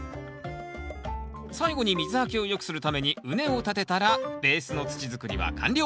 最後に水はけをよくするために畝を立てたらベースの土づくりは完了！